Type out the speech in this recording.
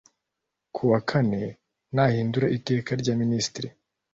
ku wa kane rihindura iteka rya minisitiri